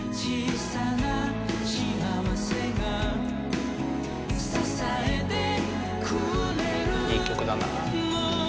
いい曲だなあ。